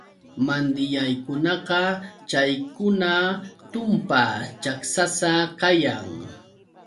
Mandilllaykunaqa chaykuna tumpa chaksasa kayan.